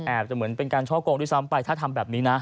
อาจจะเหมือนเป็นการช่อกงด้วยซ้ำไปถ้าทำแบบนี้นะ